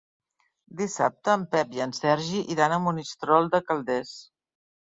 Dissabte en Pep i en Sergi iran a Monistrol de Calders.